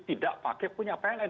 tidak pakai punya pln